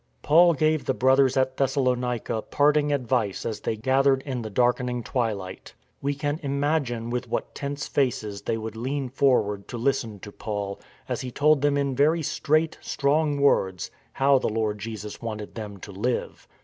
Paul gave the Brothers at Thessalonica parting advice as they gathered in the darkening twilight. We can imagine with what tense faces they would lean forward to listen to Paul, as he told them in very straight, strong words how the Lord Jesus wanted them to live.